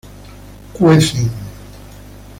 cuecen